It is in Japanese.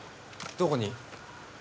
どこに？